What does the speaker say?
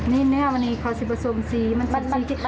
นี่เนื้อมีขอเชพสมศรี